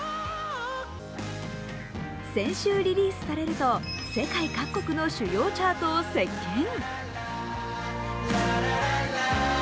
先週リリースされると世界各国の主要チャートを席けん。